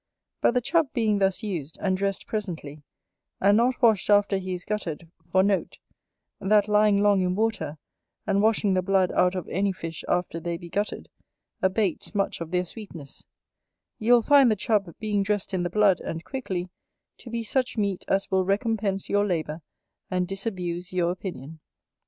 But the Chub being thus used, and dressed presently; and not washed after he is gutted, for note, that lying long in water, and washing the blood out of any fish after they be gutted, abates much of their sweetness; you will find the Chub, being dressed in the blood, and quickly, to be such meat as will recompense your labour, and disabuse your opinion.